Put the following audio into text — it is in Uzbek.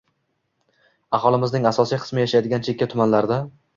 Aholimizning asosiy qismi yashaydigan cheka tumanlarda